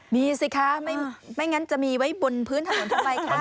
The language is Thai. มีสิคะไม่งั้นจะมีไว้บนพื้นถนนทำไมคะ